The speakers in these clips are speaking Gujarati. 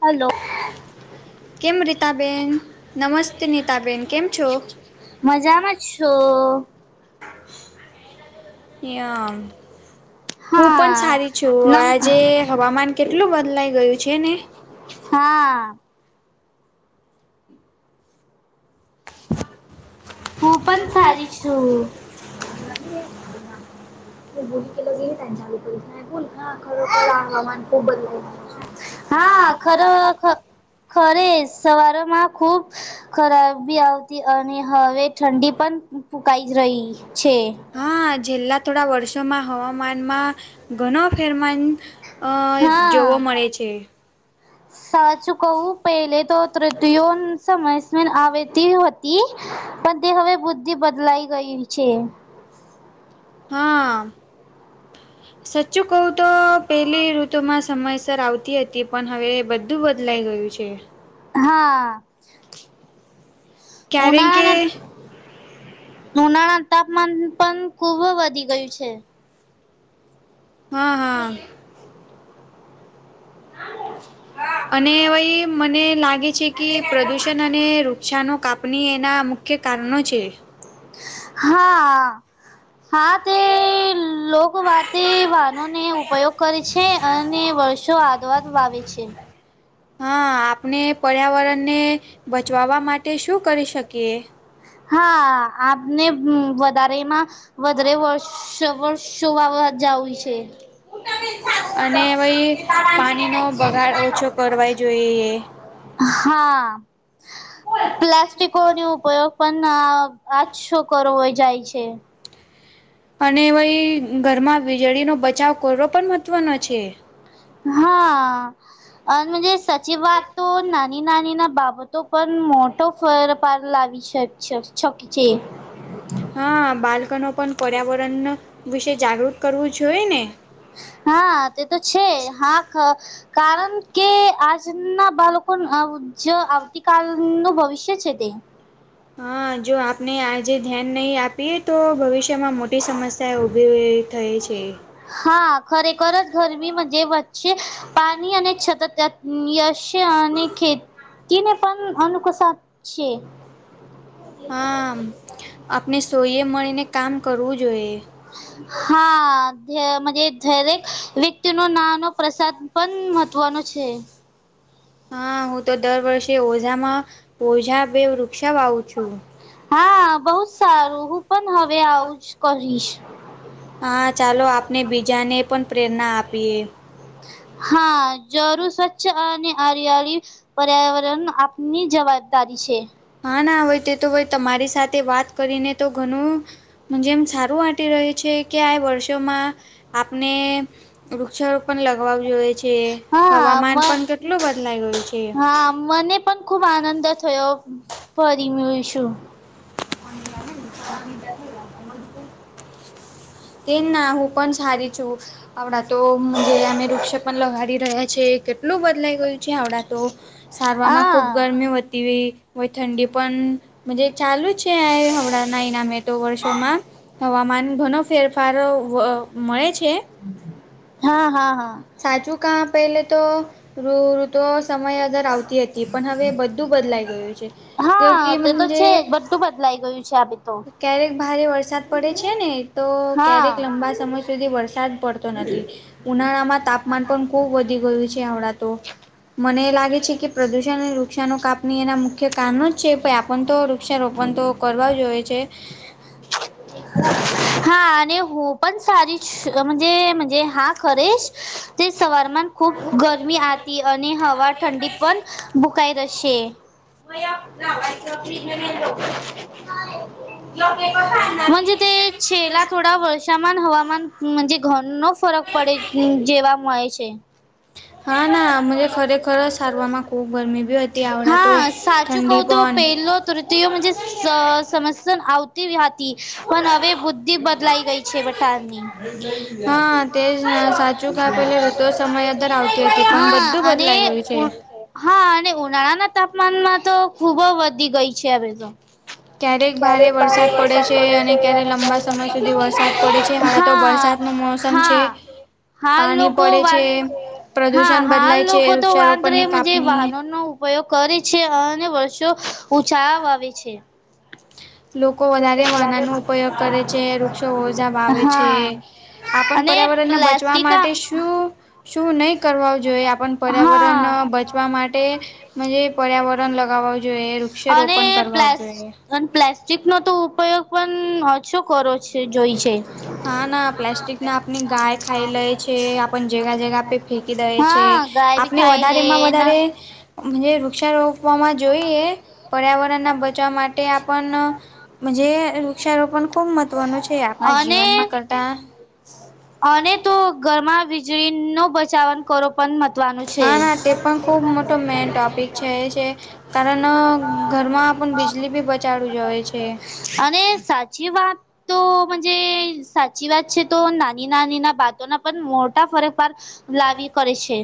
હલો. કેમ રીતાબેન નમસ્તે નીતાબેન કેમ. છો મજામાં છો. એયા હું પણ હા સારી છું નમ આજે હવામાન કેટલું બદલાઈ ગયું છે ને હા. હું પણ સારી છું. ભૂલી કે ગય લોકોરી બોલ હા ખરોખર હવામાન ખૂબ બદલા. હા ખરો ખરે સવારોમાં ખુબ ખરાબ. આવતી અને હવે ઠંડી પણ ફૂકાઈ રહી છે. હા છેલ્લા થોડા વર્ષોમાં હવામાનમાં ઘણો ફેરમાન અ જોવા હા મળે છે. સાચું કવું પહેલે તો તૃતીયો સમયન આવેતી હોતી. પણ તે હવે બુદ્ધિ બદલાઈ ગય છે. હા. સચ્ચું કહું તો પેલી ઋતુમાં સમયસર આવતી હતી પણ હવે બધ બધું બદલાઈ ગયું છે. હા ક્યારેક કે ઉનાળાના. ઉનાળા તાપમાન પણ ખૂબ વધી ગયું છે. હા. હા [unintelligible] હ [unintelligible] અને ભાઈ મને લાગે છે કે પ્રદુષણ અને શષાનો કાપણી એનાં મુખ્ય કારણો છે. હા. [inaudible] હા તે લોક વાતે વાહનોને ઉપયોગ કરે છે અને વર્ષો આ દવાદ વાાવે છે. હા આપણે પર્યાવરણને બચવાવા માટે શું કરી શકીએ. હા આપને વધારેમાં વધારે વર્ષ. શવર શોવાવા જ હોય છે. અને ભાઈ પાણીનો બગાડ ઓછો કરવા જોઈએ. [unintelligible] હા પ્લાસ્ટિકો ન ઉપયોગ પણ આજ શો કરવો જાય છે. અને ભાઈ ઘરમાં વીજળીનો બચાવ કરવો પણ મહત્વનો છે. હા અનેજ સાચી વાત તો નાની નાની ના બાબત તો પણ મોટો ફર પાર લાવી શકક છે. હા બાળકનો પણ પર્યાવરણ વિશે જાગૃત કરવું જોઈ ને હા તે તો છે હાખ કારણ કે આજ ના બાળકોણ જ આવતી કાલ નું ભવિષ્ય છે તે. હા જો આપને આજે ધ્યાન નહી આપીએ તો ભવિષ્યમાં મો ટી સમસ્યા ઊભી થાય છે. હા ખરેખર જ ગરમીજ વચ્ચે પાણી અને છતશ છે અને ખેતી ને પણ અનુકસ છે. હા આપને સોઈએ મળીને કામ કરવું જોઈએ હા દરેક વ્યક્તિ ન નાનો પ્રસાદ પણ મહત્ત્વનો છે હા હું તો દર વર્ષે ઓઝામાં ઓઝા બે વૃક્ષા વાવું છું હા બઉ જ સારું હું પણ હવે આવુંજ કરીશ હા ચાલો આપને બીજાને પણ પ્રેરણા આપીએ હા જરું સ્વચ્છ આ અને આરિયાળી પર્યાવરણ આપની જવાબદારી છે હા ના હય તે તો તમારી સાથે વાત કરીને તો ઘણું જેમ સારું વાંટી રહી છે કે આ વર્ષોમાં આપને વૃક્ષારોપ પણ લગવા જોઈએ છે હા મ હવામાન પણ કેટલું બદલાય ગયું છે હા અને પણ ખુબ આનંદ થયો ફરી મેળશું આજ કેમ ના હું પણ સારી છું આવડા તો અમે વૃક્ષ પણ લગાડી રહ્યા છે કેટલું બદલાઈ ગયું છે આવડા તો સારરમાં ખુબ હા ગરમી વધતી ગઈ હોય ઠંડી પણ ચાલુ જ છે હમણાંના ઇનામે તો વર્ષોમાં હવામાન ઘણ ફેરફારો મળે છે હા હા હા સાચું કા પેલે તોઋતુ સમય હતો પણ હવે બધું બદલાઈ ગયું છે હા તે તો કે છે જ બધું બદલાઈ ગયું છે આવી તો ક્યારેક ભારે વરસાદ પડે છે ને તો હા ક્યારેક લાંબા સમય સુધી વરસાદ પડ નથી ઉનાળામાં તાપમાન પણ ખુબ વધી ગયું છે હણા તો મને એ લાગે છે કે પ્રદૂષણ અને વૃક્ષાનો કાપણી એના મુખ્ય કારણો જ છે ભ આપણ તો વૃક્ષારોપણ તો કરવા જોઈએ છે હા અને હો પણ સારીજ જે હા ખરેશ તે સવાર ખુબ ગરમી આતી અને હવા ઠંડી પણ ભુકાઈ જ હશે વા ફ્રીજ નવીો જ તે છેલા થોડા વર્ષામાન હવામાન ઘર નો ફરક પડે જેવા મળે છે હા ના મ ખરેખર સારરમાં ખૂબ ગરમી બી હતી આવડા તો ઠંડી પન તૃ સમસ્યા આવતી હતી પણ હવે બુદ્ધિ બદલાઈ ગઈ છે વટાની હા તેજ સાચું કા પેલે ઋતુ સમય અદર આવતી હતી પણ હા બધું અને બદલાઈ ગયું છે. હા અને ઉનાળાના તાપમાનમાં તો ખુબ વધી ગઈ છે હવે તો ક્યારેક ભારે વરસાદ પડે છે ક્યારે અને લંબા સમય ક્યારે સુધી વરસાદ પડે છે લગ હમણાં તો હા વરસાદનું મોસમ છે હા હાલ પાણી લોકો પડે વા છે હા પ્રદૂષણ હાલ બદલાય છે લોકો તો વાંધ રે વૃક્ષારોપણની મજ કાપણી વાહનો નો ઉપયોગ કરે છે અને વર્ષો ઉછા આવે છે લોકો વધારે વાના નો ઉપયોગ કરે છે વૃક્ષો ઓજા વાાવે છે હા આપણ અને પર્યાવરણ ના બચવા પ્લાસ્ટિક માટે શું શું નહી કરવા જોઈએ આપણ હા પર્યાવરણ બચવા માટેજ પર્યાવરણ લગાવવા જોઈએ શેર અને ઓપન કરવા પ્લાસ જોઈએ અને પ્લાસ્ટિક નો તો ઉપયોગ પણ ઓછો કરો છે જોઈ છે હા ના પ્લાસ્ટિક ના આપની ગાય ખાઈ લે છે આપ જગા જગા પે ફેંકી દે છે હા ગાય બી આપણે ખાઈ લે વધારેમાં ના વધારે વૃક્ષારોપ આપવામાં જોઈએ પર્યાવરણના બચવા માટે આપણ જ વૃક્ષારોપણ ખૂબ મહત્વનું છે આપણા અને જીવનમાં કરતા અને તો ઘરમાં વીજળી નો બ હા ના તે પણ ખુબ મોટો મેન ટોપિક છે એ છે કારણ ઘરમાં પણ બીજલી બી બચાડું જવે છે અને સાચી વાત હા જે સાચી વાત છે તો નાની નાની ના બાતોના પણ મોટા ફરક પર લાવી કરે છે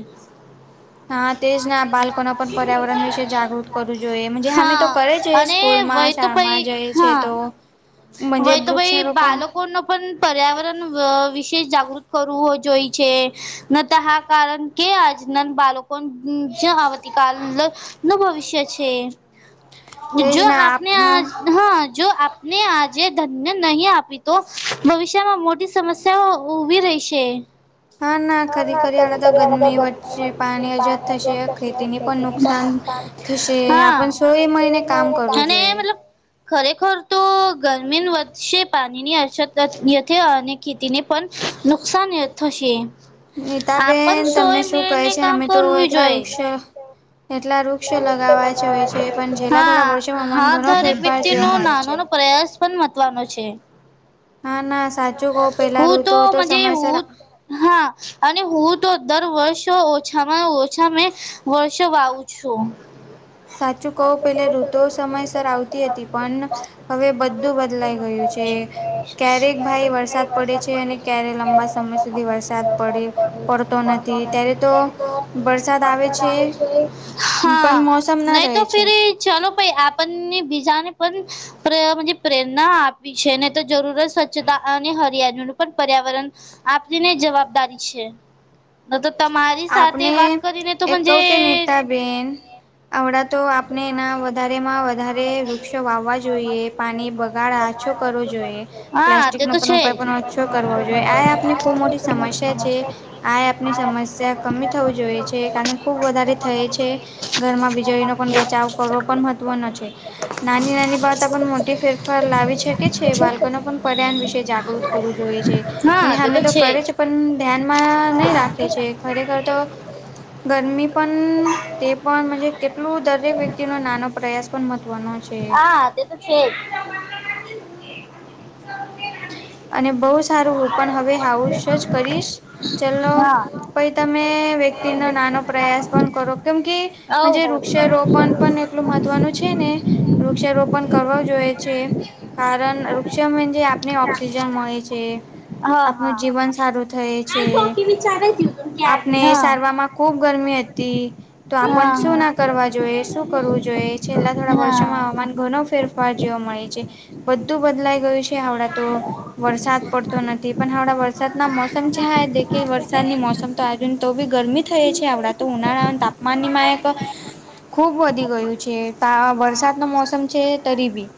[inaudible] હા તે જ ના બાળકોને પણ પર્યાવરણ વિશે જાગૃત કરવું જોઈએ હમી તો હા કરે છે અને સ્કૂલમાં વય તો પઈ શાળમાં જાય છે હા તો મજે વય [unintelligible] તો ભાઈ વૃક્ષારોપણ બાળકોનો પણ પર્યાવરણ વિશે જાગૃત કરવું જોઈ છે. ન તો હા કારણ કે આજના બળકોન જ આવતીકાલ નું ભવિષ્ય છે. જો તેજ ને આપને આ આપનું હા જો આપને આજ જે ધન્ય નહીં આપી તો ભવિષ્યમાં મોટી સમસ્યાઓ ઉભી રહીશે. હા કરી ના કરી આ કદીી ત તો ગરમી વચ્ચે પાણી અછત થશે ખેતીને પણ નુકસાન થશે આ [inaudible] હા આપણ સોએ મળીને કામ કરવું અને જોઈએ. મતલબ ખરેખર તો ગરમી વે પાણીની અછત યથ અને ખતીને પણ નુકસાન થશે આપ નીતાબેન તમને સોય શું કહે મેળને છે કામ અમે તો કરું એટલા જોઈએ. વૃક્ષ એટલા વૃક્ષ લગાવવા જોઈએ છે પણ છેલ્લા થોડા હા વર્ષોમાં હા મને ઘણો ધારે ફેરફાર વ્યતિ ન જોવા મળે નાનો છે. નો પ્રયાસ પણ મહત્નો છે હા ના સાચું કહું પેલા હું ઋતુઓ તો તોજ સમયસર હું હા અને હું તો દર વર્ષ ઓછામાં ઓછા મે વર્ષો વાવું છું. સાચું કહું પૂછો પેલે સાચ તો ક ઋતુઓ સર સમયસર આવતી હતી પણ આવડ હવે બધું બદલાઈ ગયું છે. બું. [inaudible] ક્યારે કઈ વરસાદ પડે છે ક્યારે રખવા છે વરસાદ પડતો નથી ત્યારે તો વર્તર આવે છે. પણ હા મોસમ ના નહી રહે તો ફેર છે. ચાલ ભાઈ આપણને બીજાને પણ પ્ર પ્રેરણા આપી છે ને તો જરૂરત સ્વચ્છતા અને હરિયાળજનુંું પણ પર્યાવરણ આપણીને જવાબદારી છે. ન તો તમારી સાથે આપણે વાત કરીને તો મજે આવડા તો આપને એના વધારેમાં વધારે વૃક્ષો વાવવા જોઈએ. પાણી બગાડ આછો કરવો જોઈએ હા પ્લાસ્ટિક તે નો તો પણ છે ઉપાય જ. પણ ઓછો કરવો જોઈએ આ આપને એક મોટી સમસ્યા છે. આ આપની સમસ્યા કમી થવું જોઈએ છે કારણ ખુબ વધારે થાય છે. ઘરમાં વીજળી ન પણ બચાવ કરવો પણ મહત્વનો છે નાની નાની બાબત પણ મોટી ફેર લાવી શકે છે બાળકો ન પણ પર્યાણ વિશે જાગૃત કરવું જોઈએ છે હા તે હમે તો કરે જ છે પણ ધ્યાનમાં નહીં રાખે છે. ખરેખર તો ગરમી પણ તે પણ કેટલું દર દરેક વ્યક્તિ ન નાનો પ્રયાસ પણ મહત્વનો છે. હા તે છે. [inaudible] અને બહુ સારું હું પણ હવે હાઉસ જ કરીશ જ ચલો. હા પાઈ તમે વ્યક્તિનો નાનો પ્રયાસ પણ કરો. કેમ કે જે હવ વૃક્ષારોપણ હવ. પણ એટલું મહત્વનું છે ને વૃક્ષારોપણ કરવા જોઈએ છે. કારણ વૃક્ષજ [unintelligible] આપણને ઓક્સિજન મળે છે. હા આપનું હા. જીવન સારું થાય છે આપને સારવાર માં ખૂબ ગરમી હતી. તો આપ હા શું ના કરવા જોઈએ? શું કરવું જોઈએ? છેલ્લા થોડા હા વર્ષોમાં હવામાન ઘણો ફેરફાર જોવા મળે છે. બધું બદલાઈ ગયું છે આવડા હ. વરસાદ પડતો નથી પણ હણાં વરસાદના મોસમ છે હા એ દેખ વરસાદની મોસમ તો આજુ તો બી ગરમી થઈ છે આવડા તો ઉનાળા તાપમાનનીમાં એક ખૂબ વધી ગયું છે તા વરસાદનો મોસમ છે તરી બી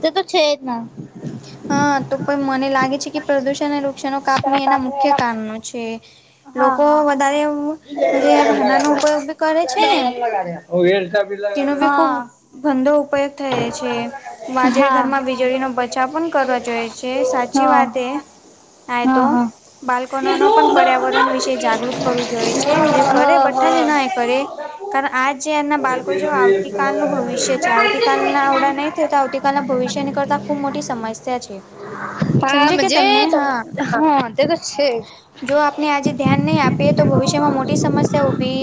તે તો છેત ના. હા તો પણ મને લાગે છે કે પ્રદુષણ અને વૃક્ષાણો કાપણી એના મુખ્ય કારણો છે. હા લોકો હા વધારે [unintelligible] વાના નો ઉપયોગ બી કરે છે ને. [unintelligible] ધંધો ઉપયોગ થાય છે વાજળ હા હા ઘરમાં વીજળીનો પાછા પણ કરવા જોઈ છે સાચી વાત એ આ હા તો હા બાળકોનો ન પણ પર્યાવરણ વિશે જાગૃત કરવું જોઈ છે કરે હા હા બધા ના એ કરે [unintelligible] આ જે એના બાળકો જો આવતી કાલનું ભવિષ્ય છે આવતી આવતી કલના આવડા નહી થતા આવતીકાલના ભવિષ્ય ની કરતા ખુબ મોટી સમસ્યા છે. [unintelligible] સમજે કે તમને હા તે તો છે. જો આપણે આજે ધ્યાન નહીં આપીએ તો ભવિષ્યમાં મોટી સમસ્યા ઊભી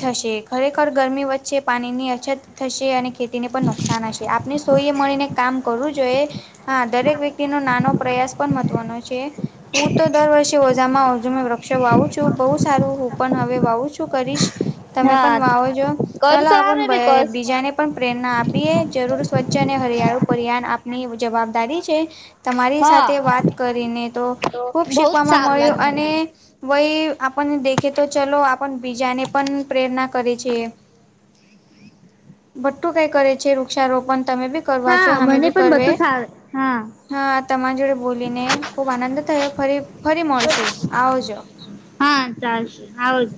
થશે ખરેખર ગરમી વચ્ચે પાણી ની અછત થશે અને ખેતી ને પણ નુકસાન હશે આપને સોઈએ મળીને કામ કરવું જોઈએ હા દરેક વ્યક્તિનો નાનો પ્રયાસ પણ મહત્વનો છે. હું તો દર વર્ષે ઓઝામાં ઓ વૃક્ષો વાવું છું બહુ સારું હું પણ હવે વાવું છું કરીશ. તમે પણ હા વાવો જો ચાલો કરશો આપણ આમે બી કરશ બીજાને પણ પ્રેરણા આપીએ જરૂર સ્વચ્છ અને હરિયાળુ પર્યાણ આપની જવાબદારી છે. તમારી હા સાથે વાત કરીને તો ખૂબ બહુ જ શીખવામાં સારું મળ્યું લાગ્યું અને મને વહી આપન દેખે તો ચલો આપ બીજાને પણ પ્રેરણા કરે છે ભટ્ટું કઈ કરે છે વૃક્ષારોપણ તમે બી કરવા છો. હા અમે મને બી પણ કરવે. બધું સારું હા હા તમારી જોડે બોલીને ખુબ આનંદ થયો ફરી ફરી મળશું આવજો. હા ચાલશે હઉજ